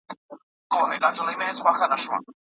نظم د هرې ټولني لومړیتوب دی.